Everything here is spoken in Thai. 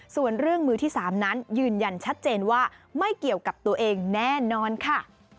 ส่วนเรื่องมือที่๓นั้นยืนยันชัดเจนว่าไม่เกี่ยวกับตัวเองแน่นอนค่ะ